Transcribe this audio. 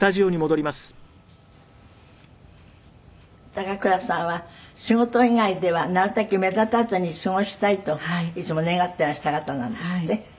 高倉さんは仕事以外ではなるたけ目立たずに過ごしたいといつも願っていらした方なんですって？